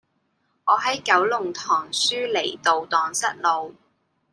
我喺九龍塘舒梨道盪失路